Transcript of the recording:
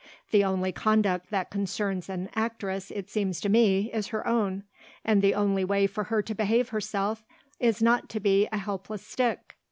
The only conduct that concerns an, actress, it seems to me, is her own, and the only way for her to behave herself is not to be a helpless stick.